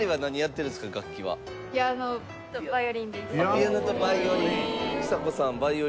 ピアノとヴァイオリン。